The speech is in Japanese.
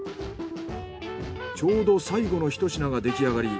ちょうど最後の一品が出来上がり。